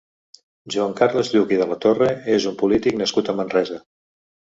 Joan Carles Lluch i de la Torre és un polític nascut a Manresa.